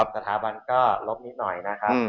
สถาบันก็ลบนิดหน่อยนะครับ